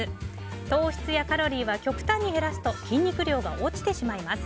糖質やカロリーは極端に減らすと筋肉量が落ちてしまいます。